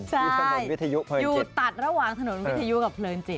อยู่ถนนวิทยุเพลินอยู่ตัดระหว่างถนนวิทยุกับเพลินจิต